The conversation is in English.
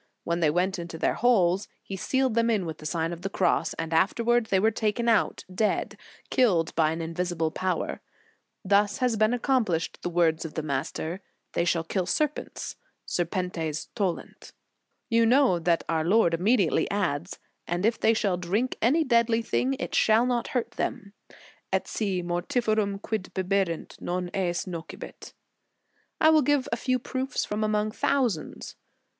When they went into their holes, he sealed them in with the Sign of the Cross, and afterwards they were taken out dead, killed by an invisible power. Thus has been accomplished the words of the Master, " They shall kill serpents : serpentes tollent"* You know that our Lord immediately adds: "And if they shall drink any deadly thing, it shall not hurt them: et si mortiferum quid biberint non eis nocebit" I will give a few proofs from among thousands.